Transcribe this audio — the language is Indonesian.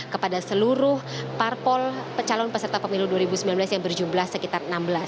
kepada seluruh parpol calon peserta pemilu dua ribu sembilan belas yang berjumlah sekitar enam belas